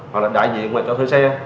hoặc là đại diện ngoài chỗ thuê xe